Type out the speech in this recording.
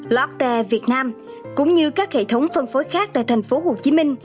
lotte việt nam cũng như các hệ thống phân phối khác tại tp hcm